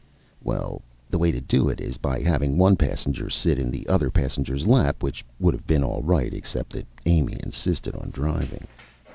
Well, the way to do it is by having one passenger sit in the other passenger's lap, which would have been all right except that Amy insisted on driving.